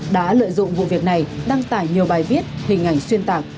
đã lợi dụng vụ việc này đăng tải nhiều bài viết hình ảnh xuyên tạc